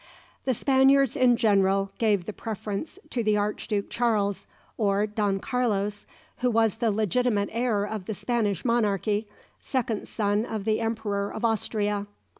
The Spaniards in general gave the preference to the Arch Duke Charles, or Don Carlos, who was the legitimate heir of the Spanish monarchy, second son of the Emperor of Austria.